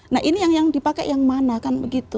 nah ini yang dipakai yang mana kan begitu